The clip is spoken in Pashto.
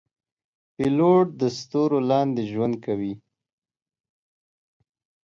پیلوټ د ستورو لاندې ژوند کوي.